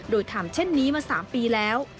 โดยทำเช่นนี้มา๓ปีแล้ว